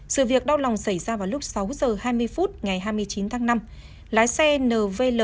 sự việc đau lòng xảy ra vào lúc sáu giờ hai mươi phút ngày hai mươi chín tháng năm